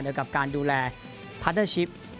ด้วยกับการดูแลพาร์ทเนอร์ชิป